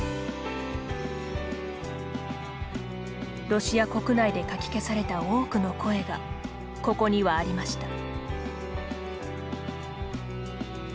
ロシア国内でかき消された多くの声が、ここにはありました。